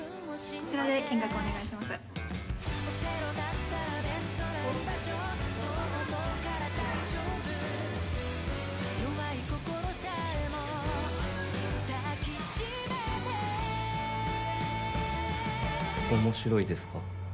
こちらで見学お願いしま面白いですか？